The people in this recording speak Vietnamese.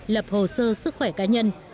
lập hồ sơ sức khỏe cá nhân